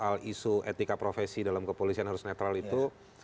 soal isu etika profesi dalam kepolisian harus netral itu